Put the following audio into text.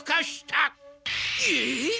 えっ？